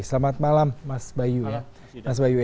selamat malam mas bayu